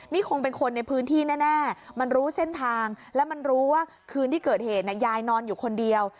นี่คงเป็นคนในพื้นที่แน่มันรู้เส้นทางแล้วมันรู้ว่าคืนที่เกิดเหตุยายนอนอยู่คนเดียว